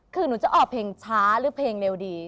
คือหนูจะออกเพลงช้าหรือเพลงเร็วดี